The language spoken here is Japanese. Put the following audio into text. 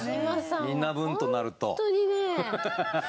みんな分となると。